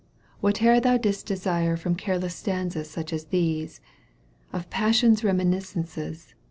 whatever thou didst desire From careless stanzas such as these, Of passion reminiscences.